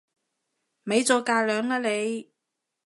咪做架樑啦你！